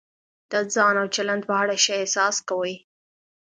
د ځان او چلند په اړه ښه احساس کوئ.